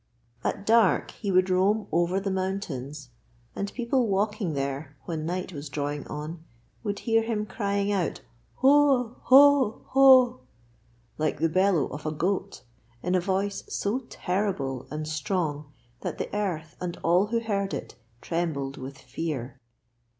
At dark he would roam over the mountains, and people walking there, when night was drawing on, would hear him crying 'Hoa, hoa, hoa!' like the bellow of a goat, in a voice so terrible and strong that the earth, and all who heard it, trembled with fear.